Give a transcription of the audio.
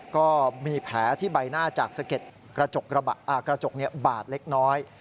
ก็มีแผลที่ใบหน้าจากสะเก็ดกระจกบาดเล็กน้อย